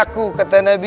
bukan golonganku kata nabi